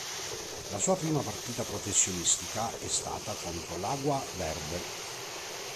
La sua prima partita professionistica è stata contro l'Água Verde.